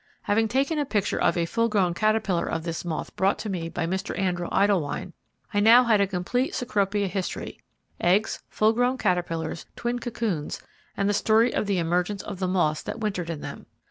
Having taken a picture of a full grown caterpillar of this moth brought to me by Mr. Andrew Idlewine, I now had a complete Cecropia history; eggs, full grown caterpillars, twin cocoons, and the story of the emergence of the moths that wintered in them.